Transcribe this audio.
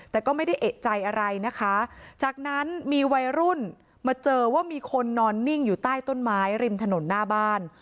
แต่ก็ไม่ได้เอกใจอะไรนะคะจากนั้นมีวัยรุ่นมาเจอว่ามีคนนอนนิ่งอยู่ใต้ต้นไม้ริมถนนหน้าบ้าน